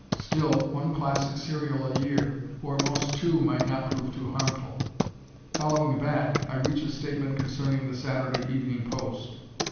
Still, one classic serial a year, or at most two, might not prove too harmful. Following back, I reach a statement concerning "The Saturday Evening Post."